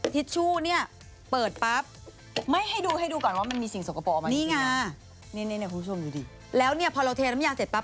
ทิชชู่เนี่ยเปิดปั๊บไม่ให้ดูให้ดูก่อนว่ามันมีสิ่งโสกกระป๋อมาจริงแล้วเหนี่ยแล้วเนี่ยพอเราเทนมะยาเสร็จปั๊บ